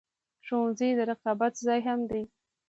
ښوونځی د رقابت ځای هم دی